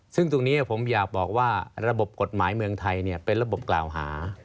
ซึ่งตรงนี้ผมอยากบอกว่าระบบกฎหมายเมืองไทยเป็นระบบกล่าวหา